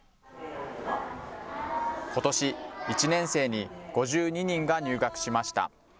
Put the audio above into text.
ことし、１年生に５２人が入学しました。